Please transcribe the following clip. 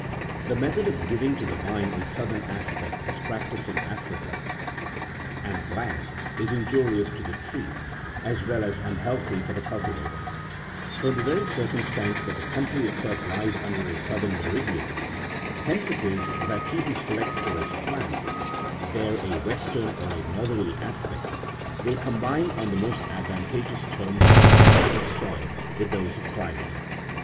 The method ot giving to the vine a southern aspect, as practised in Africa and is injurious to the tree, as well as unhealthy for the cultivator, from the very circumstance that the country itself lies under a southern meridian : hence it is, that he who selects for his plants there a western or a northerly aspect, will combine on the most advantageous terms the benefits of soil with those of climate.